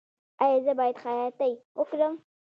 ایا زه باید خیاطۍ وکړم؟